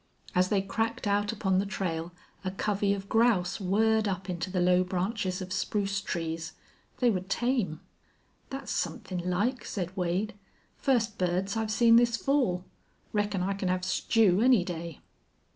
As they cracked out upon the trail a covey of grouse whirred up into the low branches of spruce trees. They were tame. "That's somethin' like," said Wade. "First birds I've seen this fall. Reckon I can have stew any day."